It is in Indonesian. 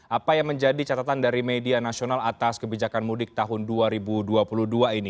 apa yang menjadi catatan dari media nasional atas kebijakan mudik tahun dua ribu dua puluh dua ini